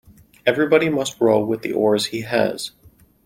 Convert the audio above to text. Everybody must row with the oars he has.